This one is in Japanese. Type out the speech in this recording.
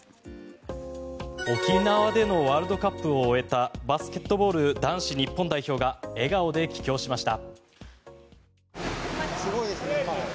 沖縄でのワールドカップを終えたバスケットボール男子日本代表が笑顔で帰京しました。